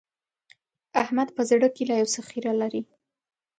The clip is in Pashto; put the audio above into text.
احمد په زړه کې لا يو څه خيره لري.